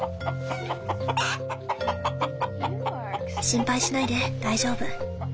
心配しないで大丈夫。